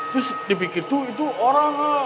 terus dipikir itu orang ah